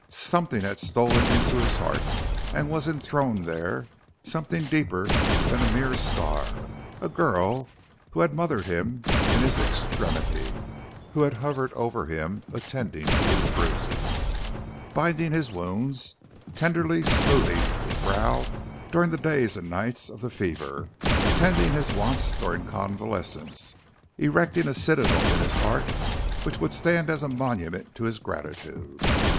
Something had stolen into his heart and was enthroned there; something deeper than a mere scar a girl who had mothered him in his extremity; who had hovered over him, attending to his bruises, binding his wounds, tenderly smoothing his brow during the days and nights of the fever; attending his wants during convalescence; erecting a citadel in his heart which would stand as a monument to his gratitude.